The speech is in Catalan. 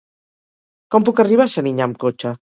Com puc arribar a Serinyà amb cotxe?